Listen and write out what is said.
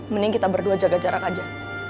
mending kita berdua jaga jarak aja